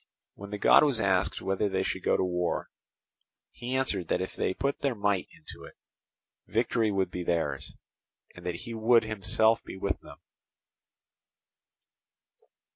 When the god was asked whether they should go to war, he answered that if they put their might into it, victory would be theirs, and that he would himself be with them.